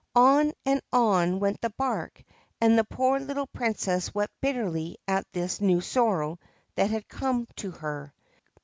On and on went the barque and the poor little Princess wept bitterly at this new sorrow that had come to her.